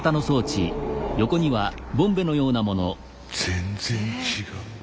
全然違う。